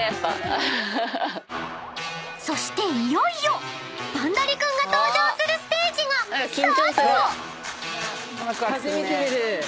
［そしていよいよバンダリ君が登場するステージがスタート］